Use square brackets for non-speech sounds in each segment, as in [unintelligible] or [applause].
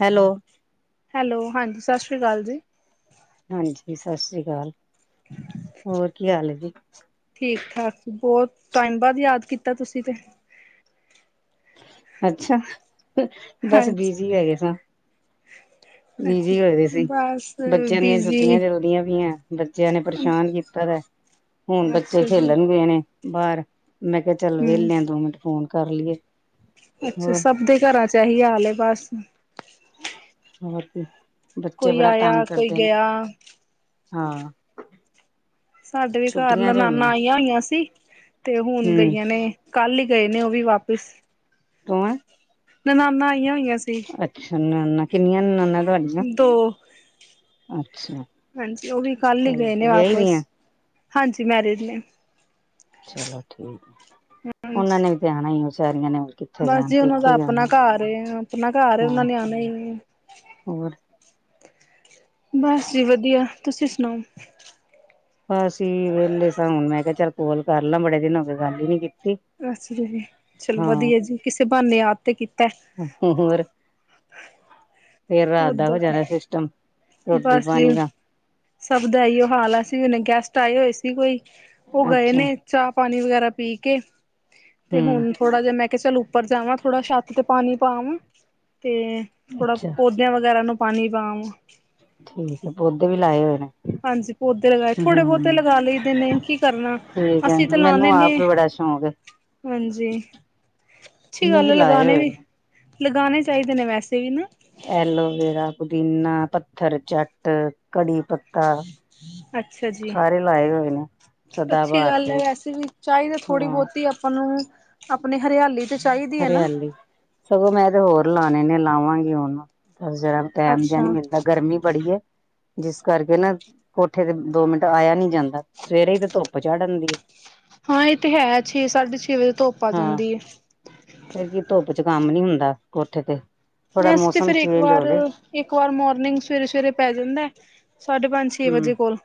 Hello hello, ਹਾਂਜੀ ਸਤਿ ਸ਼੍ਰੀ ਕਾਲ ਜੀ ਹਾਂਜੀ, ਸ ਸ੍ਰੀ ਕਾਲ, ਹੋਰ ਕੀ ਹਾਲ ਏ ਜੀ ਠੀਕ-ਠਾਕ, ਬੋਤ ਟਾਈਮ ਬਾਦ ਯਾਦ ਕੀਤਾ ਤੁਸੀਂ ਤੇ ਅੱਛਾ, ਬਸ ਹਾਂਜੀ ਬਿਜ਼ੀ ਹੈਗੇ ਸਾਂ ਅੱਛਾ, ਬਿਜੀ ਹੋਏ ਦੇ ਸੀ ਬਸ ਬੱਚਿਆਂ ਦੀਆਂ ਬਿਜੀ ਛੁੱਟੀਆਂ ਚਲਦੀਆਂ ਪਈਐਂ, ਬੱਚਿਆਂ ਨੇ ਪਰੇਸ਼ਾਨ ਕੀਤਾ ਹੋਇਐ ਹੁਣ ਬੱਚੇ ਅੱਛਾ ਜੀ ਖੇਲਣ ਗਏ ਨੇ ਬਾਰ, ਮੈਂ ਕਿਹਾ ਚੱਲ ਹਮ ਵੇਲੇ ਆਂ ਦੋ ਮਿੰਟ ਫੋਨ ਕਰ ਲਈਏ ਅੱਛਾ, ਹੋਰ ਸਭ ਦੇ ਘਰਾਂ ਚ ਏਹੀ ਹਾਲ ਏ ਬਸ ਹੋਰ ਕੀ, ਬੱਚੇ ਕੋਈ ਬੜਾ ਆਇਆ ਤੰਗ ਕੋਈ ਕਰਦੇ ਨੇ, ਗਿਆ ਹਾਂ ਸਾਡੇ ਘਰ ਛੁੱਟੀਆਂ ਚ ਨਨਾਨਾਂ ਹੋਈਆਂ ਆਈਆਂ ਹੋਈਆਂ ਸੀ ਤੇ ਹੁਣ ਹਮ ਗਈਆਂ ਨੇ ਕੱਲ ਈ ਗਏ ਨੇ ਓਹ ਵੀ ਵਾਪਿਸ ਤੂਂਏ [unintelligible] ਨਨਾਨਾਂ ਆਈਆਂ ਹੋਈਆਂ ਸੀ ਅੱਛਾ, ਨਨਾਨਾਂ। ਕਿੰਨੀਆਂ ਨਨਾਨਾਂ ਤੁਹਾਡੀਆਂ? ਦੋ ਅੱਛਾ ਹਾਂਜੀ, ਓਹ ਵੀ ਕੱਲ ਹੀ ਚਲੋ ਗਏ ਨੇ ਵਿਆਹੀ ਵਾਪਸ। ਦੀਆਂ ਹਾਂਜੀ, ਮੈਰਿਡ ਨੇ ਚਲੋ ਠੀਕ ਏ, ਓਹਨਾਂ ਹਾਂਜੀ ਨੇ ਵੀ ਤੇ ਆਣਾ ਈ ਏ ਵਚਾਰੀਆਂ ਨੇ ਹੋਰ ਕਿੱਥੇ ਬਸ ਜਾਣ ਜੀ ਓਹਨਾਂ ਪੇਕੇ ਦਾ ਹੀ ਆਪਨਾ ਆਣਾ ਘਰ ਏ, ਆਪਨਾ ਘਰ ਏ ਹਾਂ ਓਹਨਾਂ ਨੇ ਆਨਾ ਈ ਏ। ਹੋਰ ਬਸ ਜੀ ਵਦੀਆ, ਤੁਸੀਂ ਸੁਣਾਓ। ਬਸ ਜੀ ਵੇਲੇ ਸਾਂ ਹੁਣ ਮੈਂ ਕਿਹਾ ਚੱਲ ਕੋਲ ਕਰ ਲਾਂ। ਬੜੇ ਦਿਨ ਹੋ ਗਏ ਗੱਲ ਹੀ ਨੀ ਕੀਤੀ। ਅੱਛਾ ਜੀ। ਚਲੋ ਵਧੀਆ ਜੀ ਕਿਸੇ ਬਹਾਨੇ ਯਾਦ ਤੇ ਕੀਤੈ। ਹੂੰ, ਹੋਰ। ਫੇਰ ਰਾਤ ਦਾ ਓਦਾਂ ਹੋ ਤੇ ਜਾਣੈ ਫੇਰ ਸਵ ਬਸ ਜੀ, ਸਭ ਦਾ ਇਓ ਹਾਲ ਐ। ਅਸੀ ਵੀ ਹੁਣੇ ਗੈਸਟ ਆਏ ਹੋਏ ਸੀ ਕੋਈ ਓਹ ਗਏ ਅੱਛਾ ਨੇ ਚਾਅ ਪਾਣੀ ਵਗੈਰਾ ਪੀ ਕੇ ਤੇ ਹੂੰ ਹੁਣ ਥੋੜਾ ਜਾ ਮੈਂ ਕਿਹਾ ਚੱਲ ਉੱਪਰ ਜਾਵਾਂ ਥੋੜਾ ਸ਼ਤ ਤੇ ਪਾਣੀ ਪਾ ਆਵਾਂ ਤੇ ਥੋੜਾ ਅੱਛਾ ਪੌਧ ਧਿਆਂ ਵਗੈਰਾ ਨੂੰ ਪਾਣੀ ਪਾ ਆਵਾਂ। ਠੀਕ ਏ। ਪੌਦੇ ਵੀ ਲਾਏ ਹੋਏ ਨੇ। ਹਾਂਜੀ ਪੌਦੇ ਲਗਾਏ, ਥੋੜੇ ਬੋਤੇ ਹੂੰ ਲਗਾ ਲਈਦੇ ਨੇ, ਕੀ ਕਰਨਾ। ਅਸੀ ਤਾਂ ਲਾਨੇ ਨੀ। ਓਨੂੰ ਬੜਾ ਸ਼ੌਕ ਐ। ਹਾਂਜੀ, ਅੱਛੀ ਮੈਂ ਗੱਲ ਵੀ ਐ, ਲਾਏ ਲਗਾਣੇ ਹੋਏ ਵੀ। ਨੇ ਲਗਾਣੇ ਚਾਈਦੇ ਨੇ ਵੈਸੇ ਵੀ ਨਾ। ਐਲੋਵੇਰਾ, ਪੁਦੀਨਾ, ਪੱਥਰ ਚੱਟ, ਕੜੀ ਪੱ ਤਾ ਅੱਛਾ ਜੀ ਸਾਰੇ ਲਾਏ ਹੋਏ ਨੇ ਸਦਾਬਾਹਾਰ ਦੇ। ਚਾਈਦੀ ਏ ਥੋੜੀ ਹਾਂ ਬੋਤੀ ਆਪਾਂ ਨੂੰ ਆਪਣੇ ਹਰੇਆਲੀ ਤੇ ਚਾਹੀਦੀ ਹੈ ਨਾ ਹਰੇਆਲੀ, ਸਗੋਂ ਮੈਂ ਤੇ ਹੋਰ ਲਾਣੇ ਨੇ ਲਾਵਾਂਗੀ ਹੁਣ ਪਰ ਜ਼ਰਾ ਟੈਮ ਜੇਆ ਅੱਛਾ ਨੀ ਮਿਲਦਾ ਗਰਮੀ ਬੜੀ ਏ ਜਿਸ ਕਰਕੇ ਨਾ ਕੋਠੇ ਤੇ ਦੋ ਮਿੰਟ ਆਏਆ ਨੀ ਜਾਂਦਾ। ਸਵੇਰੇ ਈ ਫੇਰ ਧੁੱਪ ਚੜ ਆਂਦੀ ਏ। ਹਾਂ ਏ ਤੇ ਹੈ। ਛੇ-ਸਾਢੇ ਛੇ ਵਜੇ ਧੁੱਪ ਆ ਜਾਂਦੀ ਏ। ਫੇਰ ਕੀ ਏ ਧੁੱਪ ਏੱਚ ਕੰਮ ਨੀ ਹੁੰਦਾ ਕੋਠੇ ਤੇ। ਥੋੜਾ ਨਈ ਅਸੀ ਤੇ ਮੌਸਮ ਫੇਰ ਏੱਕ ਚੇਂਜ ਵਾਰ, ਹੋ ਜੇ ਏੱਕ ਵਾਰ ਮੋਰਨਿੰਗ ਸਵੇਰੇ-ਸਵੇਰੇ ਪੈ ਜਾਂਦੈ ਸਾਢੇ ਪੰਜ ਛੇ ਹਮ ਵਜੇ ਕੋਲ,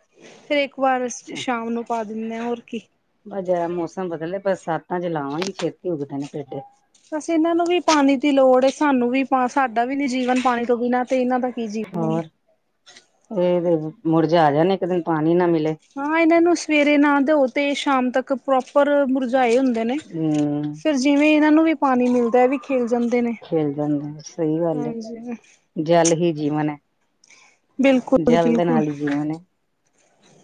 ਫੇਰ ਏੱਕ ਵਾਰ ਅਸ ਸ਼ਾਮ ਨੂੰ ਪਾ ਦਿੰਨੇ ਆਂ, ਹੋਰ ਕੀ। ਬ ਜਰਾ ਮੌਸਮ ਬਦਲ ਲੇ। ਬਰਸਾਤਾਂ 'ਚ ਲਾਵਾਂਗੀ, ਛੇਤੀ ਉੱਗਦੇ ਨੇ ਪੇਡੇ। ਵੈਸੈ ਏਨਾਂ ਨੂੰ ਵੀ ਪਾਨੀ ਦੀ ਲੋੜ ਏ। ਸਾਨੂੰ ਵੀ ਪਾ ਸਾਡਾ ਵੀ ਨੀ ਜੀਵਨ ਪਾਣੀ ਤੋਂ ਬਿਨਾਂ ਤੇ ਏਨਾਂ ਦਾ ਕੀ ਜੀਵਨ ਹੈ ਹੋਰ, ਏ ਤੇ ਮੁਰਝਾ ਜਾਣੇ ਇੱਕ ਦਿਨ ਪਾਣੀ ਨਾ ਮਿਲੇ। ਹਾਂ ਏਹਨਾਂ ਨੂੰ ਸਵੇਰੇ ਨਾ ਦਿਓ ਤੇ ਸ਼ਾਮ ਤੱਕ ਪ੍ਰੋਪਰ ਮੁਰਝਾਏ ਹੁੰ ਦੇ ਨੇ। ਹਮ ਫੇਰ ਜਿਵੇਂ ਏਨਾਂ ਨੂੰ ਵੀ ਪਾਨੀ ਮਿਲਦੈ ਏ ਵੀ ਖਿਲ ਜਾਂਦੇ ਨੇ। ਖਿਲ ਜਾਂਦੇ ਸਹੀ ਗੱਲ ਹੈ ਹਾਂਜੀ। ਜਲ ਹੀ ਜੀਵਨ ਐ। ਬਿਲਕੁਲ ਜਲ ਦੇ ਨਾਲ ਈ ਜੀਵਨ ਐ।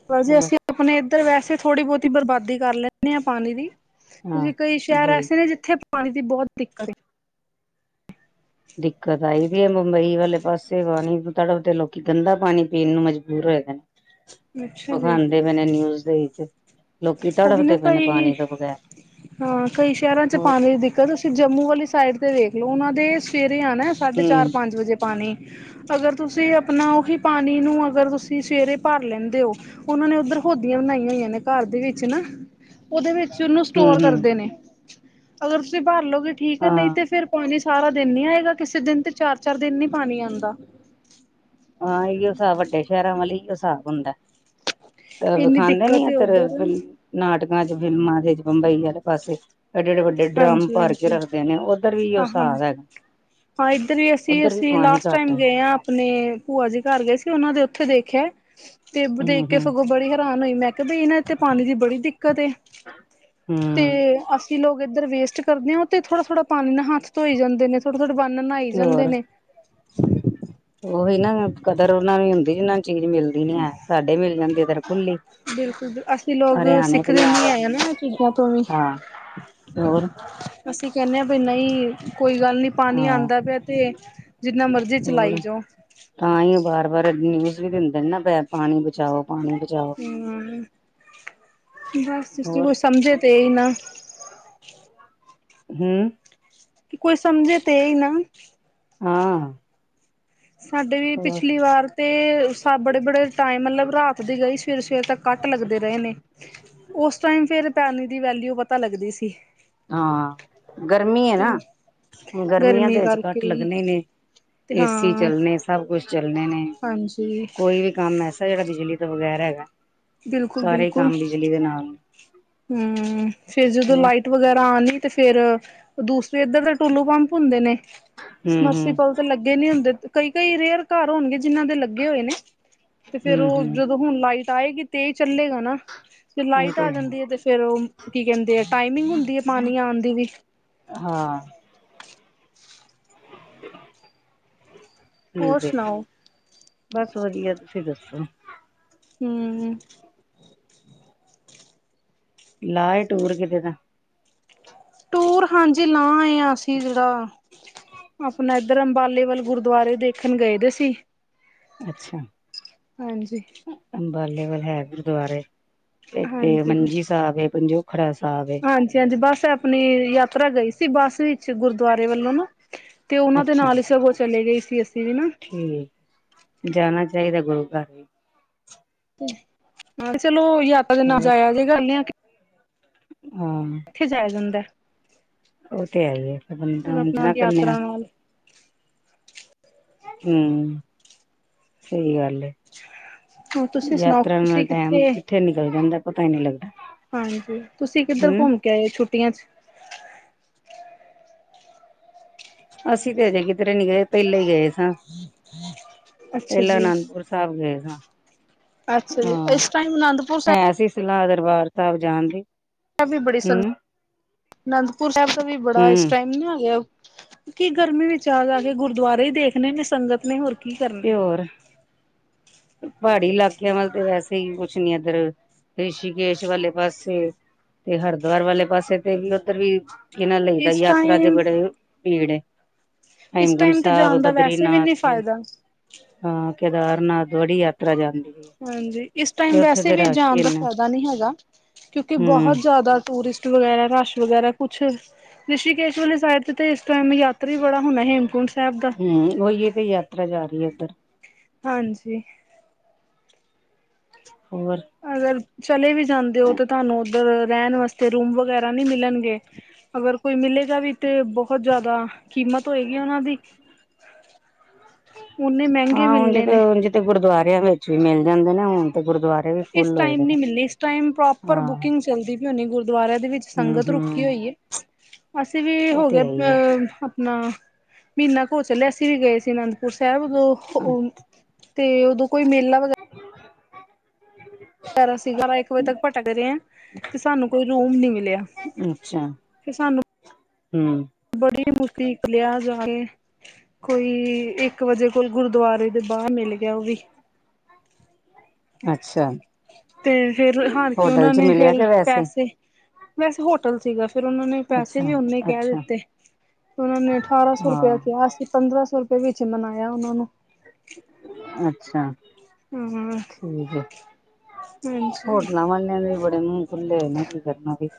ਪਰ ਜੇ ਅਸੀ ਆਪਣੇ ਏਧਰ ਵੈਸੇ ਥੋੜੀ ਬੋਤੀ ਬਰਬਾਦੀ ਕਰ ਲੈਂਨੇ ਆਂ ਪਾਨੀ ਦੀ ਕਿਉਂਕਿ ਕਈ ਸ਼ੈਰ ਐਸੇ ਨੇ ਜਿੱਥੇ ਪਾਨੀ ਦੀ ਬੋਹੋਤ ਦਿੱਕਤ ਏ। ਦਿੱਕਤ ਆਈ ਦੀ ਏ ਮੁੰਬਈ ਵਾਲੇ ਪਾਸੇ, ਪਾਨੀ ਨੂੰ ਤੜਫਦੇ ਲੋਕੀ ਗੰਦਾ ਪਾਨੀ ਪੀਨ ਨੂੰ ਮਜਬੂਰ ਹੋਏਦੇ ਨੇ। [unintelligible] ਅੱਛਾ ਜੀ। ਇਸਦੇ ਵਿੱਚ ਲੋਕੀ ਓਹੀ ਨਾ ਤੜਫਦੇ ਪਏ ਨੇ ਕਈ, ਪਾਣੀ ਤੋਂ ਬਗੈਰ ਹਾਂ ਕਈ ਸ਼ੈਰਾਂ 'ਚ ਹੋਰ ਪਾਨੀ ਦੀ ਕਦੇ ਤੁਸੀ ਜੰਮੂ ਵਾਲੀ ਸਾਈਡ ਤੇ ਵੇਖ ਲੋ ਓਨਾਂ ਦੇ ਸਵੇਰੇ ਆਨੈ ਸਾਢੇ ਹੂੰ ਚਾਰ ਪੰਜ ਵਜੇ ਪਾਨੀ ਤੇ ਅਗਰ ਤੁਸੀ ਆਪਣਾ ਓਹੀ ਪਾਨੀ ਨੂੰ ਅਗਰ ਤੁਸੀ ਸਵੇਰੇ ਭਰ ਲੈਂਦੇ ਓ ਓਨਾਂ ਨੇ ਓਧਰ ਹੋਦੀਆਂ ਬਣਾਈਆਂ ਹੋਈਆਂ ਨੇ। ਘਰ ਦੇ ਵਿੱਚ ਨਾ, ਓਦੇ ਵਿੱਚ ਉਨੂੰ ਹੂੰ ਸਟੋਰ ਹੂੰ ਕਰਦੇ ਨੇ। ਅਗਰ ਤੁਸੀ ਭਰ ਲੋਗੇ ਠੀਕ ਐ ਨਈ ਹਾਂ ਤੇ ਫੇਰ ਪਾਨੀ ਸਾਰਾ ਦਿਨ ਨੀ ਆਏਗਾ। ਕਿਸੇ ਦਿਨ ਤੇ ਚਾਰ-ਚਾਰ ਦਿਨ ਨੀ ਪਾਨੀ ਆਂਦਾ। ਹਾਂ ਅਈਯੋ ਹਿਸਾਬ ਵੱਡੇ ਸ਼ੈਰਾਂ ਵਾਲੇ ਅਈਯੋ ਸਾਬ ਹੁੰਦੈ। ਤਦ ਇੰਨੀ ਵਖਾਦੇ ਨੀ ਦਿੱਕਤ ਏ ਐਧਰ ਉੱਧਰ ਫਿਲ ਨਾਟਕਾਂ 'ਚ, ਫਿਲਮਾਂ ਦੇ ਇੱਚ ਬੰਬਈ ਵਾਲੇ ਪਾਸੇ। ਐਡੇ-ਐਡੇ ਵੱਡੇ ਡ੍ਰਾਮ ਹਾਂਜੀ ਭਰ ਕੇ ਹਾਂਜੀ ਰੱਖਦੇ ਨੇ ਓਧਰ ਵੀ ਅਈਓ ਹਾਂ ਹਾਂ ਸਾਬ ਹੈਗਾ। ਹਾਂ ਇੱਧਰ ਵੀ ਉੱਧਰ ਵੀ ਅਸੀ-ਅਸੀ ਪਾਣੀ ਲਾਸਟ ਘੱਟ ਟਾਈਮ ਹੈ। ਗਏ ਆਂ ਆਪਣੇ। ਭੂਆ ਜੀ ਘਾਰ ਗਏ ਸੀ, ਓਨਾਂ ਦੇ ਓਥੇ ਦੇਖੇਐ ਤੇ ਬ ਹੂੰ ਦੇਖ ਕੇ ਹੂੰ ਸਗੋਂ ਬੜੀ ਹੈਰਾਨ ਹੋਈ ਮੈਂ। ਤਦੀ ਇਨਾਂ ਦੀ ਤੇ ਪਾਨੀ ਦੀ ਬੜੀ ਦਿੱਕਤ ਏ ਤੇ ਹੂੰ ਅ ਸੀ ਲੋਗ ਏਧਰ ਵੇਸਟ ਕਰਨੇ ਆਂ। ਓਥੇ ਥੋੜਾ-ਥੋੜਾ ਪਾਨੀ ਨਾਲ ਹੱਥ ਧੋਈ ਜਾਂਦੇ ਨੇ, ਥੋੜੇ-ਥੋੜੇ ਪਾਨੀ ਨਾਲ ਨਾਈ ਜਾਂਦੇ ਨੇ। ਓਹੀ ਨਾ ਕਦਰ ਓਨਾ ਨੂੰ ਹੁੰਦੀ ਜਿੰਨਾਂ ਚੀਜ ਮਿਲਦੀ ਨੀ ਹੈ। ਸਾਡੇ ਮਿਲ ਜਾਂਦੀ ਏਧਰ ਖੁੱਲੀ ਬਿਲਕੁਲ ਅਸੀਂ ਲੋਕ ਹਰਿਆਣੇ ਸਿੱਖਦੇ ਪੰਜਾਬ ਨੀ ਵੱਲ ਹੈ ਨਾ ਇਹ ਚੀਜ਼ਾਂ ਤੋਂ ਵੀ ਹਾਂ, ਤੇ ਹੋਰ ਅਸੀ ਕੈਨੇਂ ਆਂ ਬਈ ਨਈ ਕੋਈ ਗੱਲ ਨਹੀਂ ਪਾਣੀ ਹਾਂ ਆਉਂਦਾ ਪਿਆ ਤੇ ਜਿੰਨਾ ਮਰਜ਼ੀ ਚਲਾਈ ਹੋਰ ਜਾਓ ਤਾਂ ਹੀ ਉਹ ਵਾਰ-ਵਾਰ ਨਿਊਜ਼ ਵੀ ਦਿੰਦੇ ਨਾ ਪਾਣੀ ਬਚਾਓ ਪਾਣੀ ਬਚਾਓ ਹਮ ਬਸ ਜੇ ਹੋਰ ਕੋਈ ਸਮਝੇ ਤੇ ਹੀ ਨਾ ਹਮ ਕਿ ਕੋਈ ਸਮਝੇ ਤੇ ਹੀ ਨਾ ਹਾਂ ਸਾਡੇ ਵੀ ਹੋਰ ਪਿਛਲੀ ਵਾਰ ਤੇ ਹਿਸਾਬ ਬੜੇ-ਬੜੇ ਟਾਈਮ ਮਤਲਬ ਰਾਤ ਦੀ ਗਈ ਸੀ ਫਿਰ ਸਵੇਰ ਤਕ ਕੱਟ ਲੱਗਦੇ ਰਹੇ ਨੇ, ਉਸ ਟਾਈਮ ਫੇਰ ਪੈਣੀ ਦੀ ਵੈਲਿਊ ਪਤਾ ਲੱਗਦੀ ਸੀ ਹਾਂ, ਗਰਮੀ ਐ ਤੇ ਨਾ ਗਰਮੀਆਂ ਗਰਮੀ ਦੇ ਵਿੱਚ ਕਰਕੇ ਘੱਟ ਹੀ ਲੱਗਣੇ ਨੇ ਤੇ ਏਸੀ ਹਾਂ ਚੱਲ ਨੇ, ਸਭ ਕੁਛ ਚੱਲਣੇ ਨੇ, ਹਾਂਜੀ ਕੋਈ ਵੀ ਕੰਮ ਐਸਾ ਜਿਹੜਾ ਬਿਜਲੀ ਤੋਂ ਬਗੈਰ ਹੈਗਾ ਸਾਰੇ ਬਿਲਕੁਲ-ਬਿਲਕੁਲ ਕੰਮ ਬਿਜਲੀ ਦੇ ਨਾਲ ਹਮ ਫਿਰ ਜਦੋਂ ਹਮ ਲਾਈਟ ਇਟ ਵਗੈਰਾ ਆਣ ਲਈ ਤੇ, ਫੇਰ ਦੂਸਰੇ ਇੱਧਰ ਦੇ ਟੂਲੂ ਪੰਪ ਹੁੰਦੇ ਨੇ ਹਮ ਸਮਰਸੀਪਲ ਤੇ ਲੱਗੇ ਨੀ ਹੁੰਦੇ ਕਈ-ਕਈ ਰੇਅਰ ਘਰ ਹੋਣਗੇ ਜਿਹਨਾਂ ਦੇ ਲੱਗੇ ਹੋਏ ਨੇ ਤੇ ਫੇਰ ਹੂੰ ਉਹ ਹੂੰ ਜਦੋਂ ਹੁਣ ਲਾਈਟ ਆਏਗੀ ਤੇ ਚੱਲੇਗਾ ਨਾ ਤੇ' ਉਹ ਲਾਈਟ ਆ ਜਾਂਦੀ ਹੈ ਹੈਤੇ ਫੇਰ ਉਹ ਕੀ ਕਹਿੰਦੇ ਟਾਈਮਿੰਗ ਹੁੰਦੀ ਹੈ ਪਾਣੀ ਆਉਣ ਦੀ ਵੀ ਹਾਂ ਹੋਰ ਠੀਕ ਐ ਸੁਣਾਓ ਬਸ ਵਧੀਆ ਤੁਸੀਂ ਦੱਸੋ ਹਮ ਹਮ ਲਾਏ ਟੂਰ ਕਿਤੇ ਦਾ ਟੂਰ ਹਾਂਜੀ ਲਾਹ ਆਏ ਹਾਂ' ਅਸੀਂ ਜਿਹੜਾ ਆਪਣਾ ਇੱਧਰ ਅੰਬਾਲੇ ਵੱਲ ਗੁਰਦੁਆਰੇ ਦੇਖਣ ਗਏ ਵੀ ਸੀ। ਅੱਛਾ ਹਾਂਜੀ ਅੰਬਾਲੇਵਲ ਹੈ ਗੁਰਦੁਆਰੇ, ਇਕ ਤਾਂ ਮੰਜੀ ਸਾਹਿਬ ਹੈ ਪੰਜੋ ਹਾਂਜੀ-ਹਾਂਜੀ ਬਸ ਆਪਣੀ ਯਾਤਰਾ ਗਈ ਸੀ ਬੱਸ ਵਿੱਚ ਗੁਰਦੁਆਰੇ ਵੱਲੋਂ ਨਾ ਤੇ' ਉਹਨਾਂ ਦੇ ਨਾਲ ਹੀ ਸਗੋਂ ਚਲੇ ਗਈ ਸੀ ਅਸੀਂ ਵੀ ਨਾ ਹਮ ਜਾਣਾ ਚਾਹੀਦਾ ਗੁਰੂ ਘਰ ਹਾਂ ਚਲੋ ਯਾਤਰਾ ਦੇ ਨਾਲ ਹੋਰ ਜਾਇਆ ਜੇ ਇਕੱਲਿਆਂ ਹਾਂ ਇੱਥੇ ਜਾਇਆ ਜਾਂਦਾ ਉਹ ਤੇ ਹੈ ਹੀ ਆ ਫਿਰ ਬੰਦਾ ਆਪਣਾ ਉਝਂਣਾ ਇਕੱਲਿਆਂ ਯਾਤਰਾ ਨਾਲ ਹਮ ਸਹੀ ਗੱਲ ਹੈ। ਹੋਰ ਤੁਸੀਂ ਸੁਣਾਓ ਯਾਤਰਾ ਨਾਲ ਤੁਸੀਂ ਟੈਮ, ਕਿੱਥੇ ਨਿਕਲ ਜਾਂਦਾ ਪਤਾ ਨੀ ਲੱਗਦਾ ਹਾਂਜੀ, ਤੁਸੀਂ ਕਿੱਧਰ ਹੂੰ ਘੁੰਮ ਕੇ ਆਏ ਛੁੱਟੀਆਂ 'ਚ- ਅਸੀਂ ਤੇ ਹਜੇ ਕਿਧਰੇ ਨੀ ਗਏ ਪਹਿਲੇ ਹੀ ਗਏ ਸਾਂ ਅੱਛਾ ਪਹਿਲਾ ਜੀ ਅਨੰਦਪੁਰ ਸਭ ਗਏ ਸਾਂ ਅੱਛਾ ਜੀ, ਹਾਂ ਇਸ ਟਾਈਮ ਅਨੰਦਪੁਰ ਸਾਹਿਬ ਹੈ ਸੀ ਸਲਾਹ ਦਰਬਾਰ ਸਾਹਿਬ ਜਾਣਦੀ ਐ ਵੀ ਬੜੀ ਸੰ ਅਨੰਦਪੁਰ ਸਾਹਿਬ ਦਾ ਵੀ ਬੜਾ ਇਸ ਹੂੰ ਟਾਈਮ ਨੀ ਆ ਗਿਆ ਕੀ ਗਰਮੀ ਵਿੱਚ ਆ ਜਾ ਕੇ ਗੁਰਦੁਆਰੇ ਹੀ ਦੇਖਣੇ ਨੇ ਸੰਗਤ ਨੇ ਹੋਰ ਕੀ ਤੇ' ਕਰਨਾ ਹੋਰ ਪਹਾੜੀ ਇਲਾਕਿਆਂ ਵੱਲ ਵੈਸੇ ਹੀ ਕੁਛ ਨੀ ਇੱਧਰ ਰਿਸ਼ੀਕੇਸ਼ ਵਾਲੇ ਪਾਸੇ ਤੇ ਹਰਿਦੁਆਰ ਵਾਲੇ ਪਾਸੇ ਤੇ ਵੀ ਉੱਧਰ ਵੀ, ਕੀ ਨਾਂ ਲਈਦਾ ਇਸ ਯਾਤਰਾ ਦੇ ਟਾਈਮ ਬੜੇ ਭੀੜ ਏ, ਇਸ ਹੇਮਕੁੰਡ ਟਾਈਮ ਤੇ ਸਾਹਿਬ, ਜਾਣ ਦਾ ਵੈਸੇ ਵੀ ਬਦਰੀਨਾਥ ਨਹੀਂ ਫਾਇਦਾ ਹਾਂ ਕੇਦਾਰਨਾਥ ਬੜੀ ਯਾਤਰਾ ਜਾਂਦੀ ਏਂ। ਹਾਂਜੀ, ਇਸ ਟਾਈਮ ਵੈਸੇ ਵੀ ਜਾਣ ਦਾ ਫਾਇਦਾ ਨੀ ਹੈਗਾ। ਕਿਉਂਕਿ ਬਹੁਤ ਹੂੰ ਜ਼ਿਆਦਾ ਟੂਰਿਸਟ ਵਗੈਰਾ, ਰਸ਼ ਵਗੈਰਾ, ਕੁੱਛ ਰਿਸ਼ੀਕੇਸ਼ ਵਾਲੀ ਸਾਈਡ ਤੇ-ਤੇ ਇਸ ਟਾਈਮ ਯਾਤਰੀ ਬੜਾ ਹੁਣਾ ਹੇਮਕੁੰਟ ਸਾਹਿਬ ਦਾ। ਹੂੰ, ਉਹੀਏ ਤੇ ਯਾਤਰਾ ਜਾ ਰੀ ਏਧਰ। ਹਾਂਜੀ। ਹੋਰ? ਅਗਰ, ਚਲੇ ਵੀ ਜਾਂਦੇ ਓ ਤੇ ਤੁਹਾਨੂੰ ਉੱਧਰ ਰਹਿਣ ਵਾਸਤੇ ਰੂਮ ਵਗੈਰਾ ਨ੍ਹੀਂ ਮਿਲਣਗੇ। ਅਗਰ ਕੋਈ ਮਿਲੇਗਾ ਵੀ ਤੇ ਬਹੁਤ ਜ਼ਿਆਦਾ ਕੀਮਤ ਹੋਏਗੀ ਉਹਨਾਂ ਦੀ। ਓਨੀਂ ਮਹਿ ਹਾਂ ਹੁਣ ਜਿ, ਹੁਣ ਜਿਤੇ ਗੁਰਦੁਆਰਿਆਂ ਵਿੱਚ ਵੀ ਮਿਲ ਜਾਂਦੇ ਨਾ, ਹੁਣ ਤੇ ਗੁਰਦੁਆਰੇ ਵੀ ਇਸ ਫੁੱਲ ਹੋਏ ਦੇ ਟਾਈਮ ਨੇ। ਨੀ ਮਿਲਣੀ, ਇਸ ਟਾਇਮ ਪ੍ਰੋਪਰ ਹਾਂ। ਬੁਕਿੰਗ ਚੱਲਦੀ ਪਈ ਹੋਣੀ, ਗੁਰਦੁਆਰਿਆਂ ਦੇ ਵਿੱਚ ਹੂੰ ਸੰਗਤ ਰੁਕੀ ਹੂੰ ਹੋਈ ਏ। ਅਸੀਂ ਵੀ ਉਹ ਤੇ ਹੋਗੇ ਹੈ ਹੀ ਅ ਅਪਨਾ, ਮਹੀਨਾ ਕੁ ਹੋ ਚੱਲਿਆ, ਅਸੀਂ ਵੀ ਗਏ ਸੀ ਅਨੰਦਪੁਰ ਸਾਹਿਬ। ਹੈ ਵੋ ਤੇ ਉਦੋਂ ਕੋਈ ਮੇਲਾ ਵਗੇ ਪਰ ਅਸੀਂ ਗਿਆਰਾਂ ਇੱਕ ਵਜੇ ਤੱਕ ਭਟਕ ਰਹੇ ਆ ਤੇ ਸਾਨੂੰ ਕੋਈ ਰੂਮ ਨੀ ਮਿਲਿਆ। ਅੱਛਾ। ਫਿਰ ਸਾਨੂੰ ਹੂੰ। ਬੜੀ ਮੁਸ਼ਕਿਲ ਇੱਕ ਲਿਆ ਜਾਕੇ। ਕੋਈ ਇੱਕ ਵਜੇ ਕੋਲ਼ ਗੁਰਦੁਆਰੇ ਦੇ ਬਾਹ ਮਿਲ ਗਿਆ ਉਹ ਵੀ। ਅੱਛਾ। ਤੇ ਫਿਰ ਹਾਰਕੇ ਹੋਟਲ ਉਹਨਾਂ ਚ ਨੇ, ਮਿਲਿਆ ਫਿਰ ਕੇ ਵੈਸੇ ਪੈਸੇ, ਵੈਸੇ ਹੋਟਲ ਸੀਗਾ। ਫੇਰ ਉਹਨਾਂ ਨੇ ਪੈਸੇ ਅੱਛਾ ਵੀ ਓਨੇ ਕਹਿ ਅੱਛਾ। ਦਿੱਤੇ। ਉਹਨਾਂ ਨੇ ਅਠਾਰਾਂ ਸੌ ਰੁਪਿਆ ਹਾਂ ਕਿਹਾ ਸੀ। ਕਿ ਪੰਦਰਾਂ ਸੌ ਰੁਪਏ ਵਿੱਚ ਮਨਾਇਆ ਉਹਨਾਂ ਨੂੰ। ਅੱਛਾ। ਹਾਂ ਠੀਕ ਏ, ਹਾਂਜੀ ਹੋਟਲਾਂ ਵਾਲੇ‍ ਇਨਾ ਦੇ ਬੜੇ ਮੂੰਹ ਖੁੱਲੇ ਹੋਏ ਨੇ ਕੀ ਕਰਨਾ ਫਿਰ।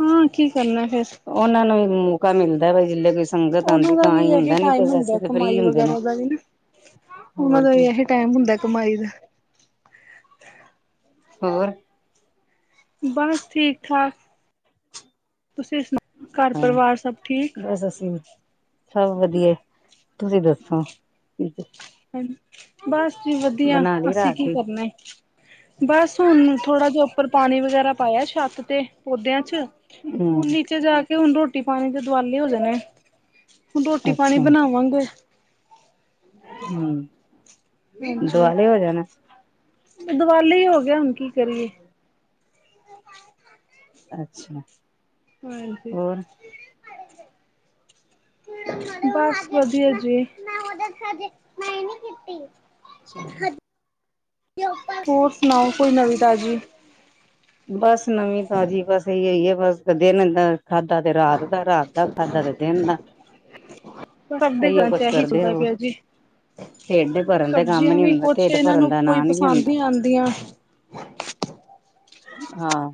ਹਾਂ, ਕੀ ਕਰਨਾ ਫੇਰ। ਉਹਨਾਂ ਨੂੰ ਵੀ ਮੌਕਾ ਮਿਲਦਾ ਵਾ, ਜਿਦਾਂ ਰਿਸ ਉਹਨਾਂ ਦਾ ਵੀ ਇਹੀ ਟਾਈਮ ਹੁੰਦਾ, ਫ੍ਰਰੀ ਕਮਾਈ ਹੁੰਦੇ ਨੇ। ਵਗੈਰਾ ਦਾ ਵੀ ਨਾ। ਉਹਨਾਂ ਹੋਰ ਦਾ ਕੀ ਇਹ ਟਾਈਮ ਹੁੰਦਾ ਕਮਾਈ ਦਾ। ਹੋਰ। ਬਸ, ਠੀਕ-ਠਾਕ ਤੁਸੀਂ ਸੁਣਾਓ? ਘਰ ਹਾਂ ਪਰਿਵਾਰ ਸਭ ਠੀਕ। ਬਸ ਅਸੀਂ ਵੀ ਸਭ ਵਧੀਆ, ਤੁਸੀਂ ਦੱਸੋ? ਠੀਕ ਏ। ਬਸ ਜੀ ਵਧੀਆ, ਲਈ ਅਸੀਂ ਰਾਤ ਕੀ ਦੀ ਕਰਨਾ ਏ। ਬਸ ਹੁਣ ਥੋੜਾ ਜਿਹਾ ਉੱਪਰ, ਪਾਣੀ ਵਗੈਰਾ ਪਾਇਆ ਛੱਤ ਤੇ ਪੌਦਿਆਂ 'ਚ, ਹੁਣ ਹਮ ਨੀਚੇ ਜਾ ਕਿ ਹੁਣ ਰੋਟੀ ਪਾਣੀ ਦੇ ਦੁਵਾਲੇ ਹੋ ਜਾਣੇ, ਹੁਣ ਰੋਟੀ ਪਾਣੀ ਅੱਛਾ ਬਣਾਵਾਂਗੇ। ਹੂੰ, ਦੁਆਲੇ ਹੋ ਜਾਣਾ। ਦੁਵਾਲੇ ਈ ਹੋਗੇ, ਹੁਣ ਕੀ ਕਰੀਏ। [inaudible] ਅੱਛਾ। ਹਾਂਜੀ। ਹੋਰ [inaudible] ਬਸ ਵਧੀਆ ਜੀ। ਸਿਮਲਾ ਹੋਰ ਸੁਣਾਓ, ਕੋਈ ਨਵੀਂ ਤਾਜ਼ੀ। ਬਸ ਨਵੀਂ ਤਾਜ਼ੀ ਬਸ ਇਈ ਈ ਏ ਬਸ ਦਿਨ ਇਦਾਂ। ਖਾਦਾ ਤੇ ਰਾਤ ਦਾ, ਰਾਤ ਦਾ ਖਾਦਾ ਤੇ ਦਿਨ ਦਾ। ਸਭ ਦੇ ਇਹੀਓ ਘਰ ਚ ਕੁਛ ਇਹੀ ਕਰਦੇ ਚਲਦਾ ਰਹੋ ਪਿਆ ਜੀ। ਢਿੱਡ ਭਰਨ ਦਾ ਕੰਮ ਸਬਜ਼ੀਆਂ ਨੀ ਵੀ ਹੁੰਦਾ ਕੁਝ ਢਿੱਡ ਇਹਨਾਂ ਭਰਨ ਨੂੰ ਦਾ ਕੋਈ ਨਾਂ ਨੀ ਪਸੰਦ ਲੈਂਦਾ ਨਈਂ ਆਂਦੀਆਂ। ਹਾਂ।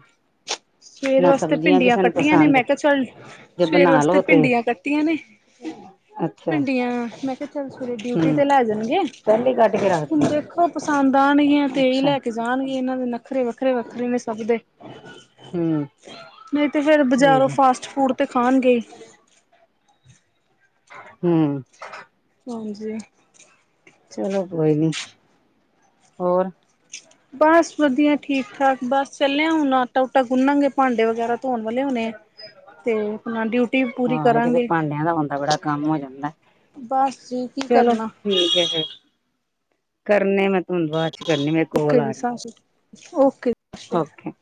ਸਵੇਰ ਨਾ ਵਾਸਤੇ ਸਬਜ਼ੀਆਂ ਭਿੰਡੀਆਂ ਕਿਸੇ ਨੂੰ ਕੱਟੀਆਂ ਨੇ ਪਸੰਦ ਮੈਂ ਕਿਆ ਚੱਲ ਜੇ ਸਵੇਰ ਬਣਾ ਵਾਸਤੇ ਲੋ ਤੇ ਭਿੰਡੀਆਂ ਕੱਟੀਆਂ ਨੇ ਅੱਛਾ ਭਿੰਡੀਆਂ ਮੈਂ ਕਿਆ ਚੱਲ ਸਵੇਰੇ ਡਿਊਟੀ ਹਮ ਤੇ ਲੈ ਜਾਣਗੇ। ਪਹਿਲੇ ਕੱਟ ਕੇ ਹੁਣ ਰੱਖਦੀਆਂ ਦੇਖੋ ਪਸੰਦ ਆਣਗੀਆਂ ਤੇਈ ਅੱਛਾ ਲੈ ਕੇ ਜਾਣਗੇ ਇਹਨਾਂ ਦੇ ਨੱਖਰੇ ਵੱਖਰੇ-ਵੱਖਰੇ ਨੇ ਸਭ ਦੇ। ਹਂ। ਨਈਂ ਤੇ ਫੇਰ ਬਾਜ਼ਾਰੋਂ ਫਾਸਟ ਫੂਡ ਤੇ ਖਾਣਗੇ ਈ। [inaudible] ਹਂ। ਹਾਂਜੀ। ਚਲੋ ਕੋਈ ਨੀ, ਹੋਰ। ਬਸ ਵਧੀਆ ਠੀਕ-ਠਾਕ ਬਸ ਚੱਲੇ ਆ ਹੁਣ ਆਟਾ ਉਟਾ ਗੁੰਨਾਂਗੇ ਭਾਂਡੇ ਵਗੈਰਾ ਧੋਣ ਵਾਲੇ ਹੋਣੇ ਐ। ਹਾਂ ਇਹਦੇ ਤੇ ਕਰਾਂਗੇ ਭਾਂਡਿਆਂ ਧੋਣ ਦਾ ਬੜਾ ਕੰਮ ਹੋ ਜਾਂਦਾ। ਬਸ ਜੀ ਕੀ ਚਲੋ ਕਰਨਾ ਠੀਕ ਐ ਫੇਰ ਕਰਨੇ ਮੈਂ ਤੁਹਨੂੰ ਬਾਅਦ। ਚ ਕਰਨੀ ਆਂ ਮੈਂ ਕੋਲ ਓਕੇ ਜੀ ਆ ਸਤਿ ਰੀ ਸ਼੍ਰੀ ਅਕਾਲ। ਓਕੇ ਜੀ ਸਤਿ ਸ਼੍ਰੀ ਅਕਾਲ। ਓਕੇ।